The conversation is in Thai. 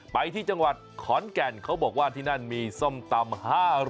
ไปที่จังหวัดขอนแก่นเขาบอกว่าที่นั่นมีส้มตำ